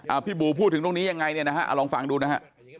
พี่บูพูดถึงตรงนี้ยังไงเนี่ยนะฮะเอาลองฟังดูนะฮะ